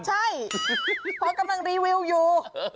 ใช่เพราะกำลังรีวิวอยู่